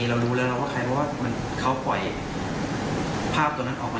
เรารู้แล้วว่าเขาปล่อยภาพตัวนั้นออกมาแล้ว